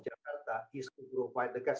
cara untuk mendorong grup penduduk